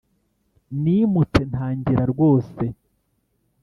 nimutse ntangira rwose